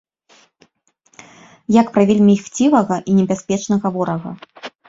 Як пра вельмі хцівага і небяспечнага ворага.